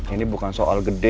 ini bukan soal gede